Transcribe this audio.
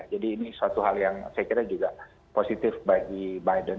jadi ini suatu hal yang saya kira juga positif bagi biden